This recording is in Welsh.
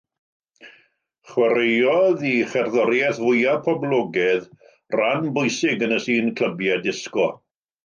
Chwaraeodd ei cherddoriaeth fwyaf poblogaidd ran bwysig yn y sin clybiau disgo.